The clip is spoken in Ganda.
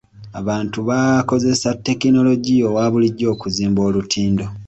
Abantu baakozesa tekinologiya owa bulijjo okuzimba olutindo.